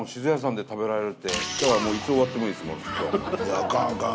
あかんあかん。